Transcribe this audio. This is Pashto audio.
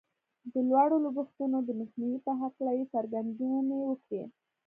د لوړو لګښتونو د مخنیوي په هکله یې څرګندونې وکړې